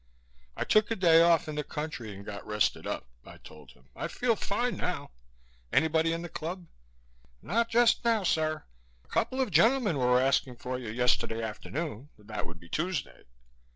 "I took a day off in the country and got rested up," I told him. "I feel fine now. Anybody in the Club?" "Not just now, sir. A couple of gentlemen were asking for you yesterday afternoon that would be Tuesday.